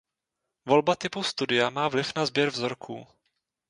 Volba typu studia má vliv na sběr vzorků.